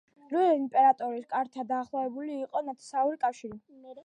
რუსეთის იმპერატორის კართან დაახლოებული იყო ნათესაური კავშირით.